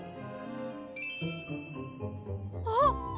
あっ！